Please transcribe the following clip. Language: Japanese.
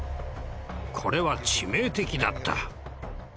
これは致命的だった。